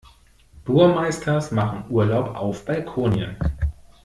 Burmeisters machen Urlaub auf Balkonien.